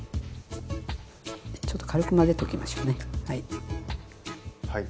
ちょっと軽く混ぜときましょうねはい。